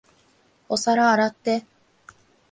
お皿洗って。